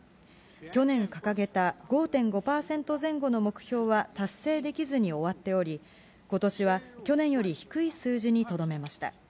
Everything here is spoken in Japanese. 去年掲げた５．５％前後の目標は達成できずに終わっており、ことしは去年より低い数字にとどめました。